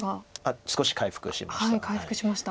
少し回復しました。